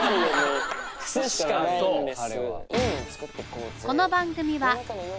癖しかないんです。